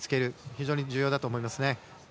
非常に重要だと思います。